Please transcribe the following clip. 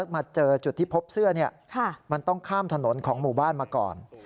มาเจอจุดที่พบเสื้อมันต้องข้ามถนนของหมู่บ้านมาก่อน